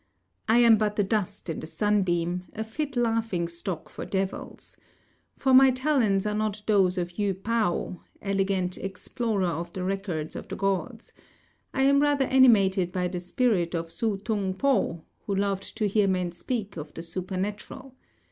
I am but the dust in the sunbeam, a fit laughing stock for devils. For my talents are not those of Yü Pao, elegant explorer of the records of the Gods; I am rather animated by the Spirit of Su Tung p'o, who loved to hear men speak of the supernatural.